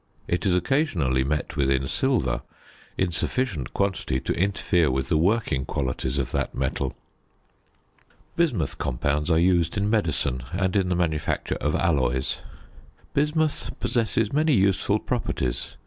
It is occasionally met with in silver in sufficient quantity to interfere with the working qualities of that metal. Bismuth compounds are used in medicine and in the manufacture of alloys. Bismuth possesses many useful properties.